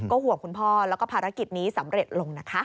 ห่วงคุณพ่อแล้วก็ภารกิจนี้สำเร็จลงนะคะ